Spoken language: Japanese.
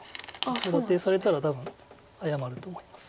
コウ立てされたら多分謝ると思います。